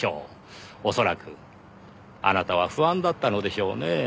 恐らくあなたは不安だったのでしょうねぇ。